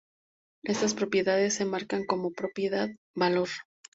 Estas propiedades se marcan como: "propiedad: valor".